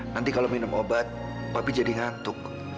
nanti kalau minum obat pabi jadi ngantuk